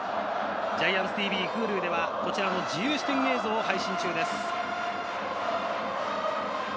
ＧＩＡＮＴＳＴＶ、Ｈｕｌｕでは、こちらの自由視点映像を配信中です。